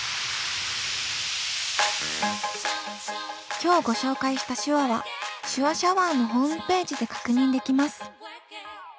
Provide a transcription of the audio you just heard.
今日ご紹介した手話は「手話シャワー」のホームページで確認できます。